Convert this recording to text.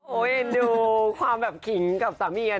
โอ้เห็นดูความแบบขิงกับสามีอะเนอะ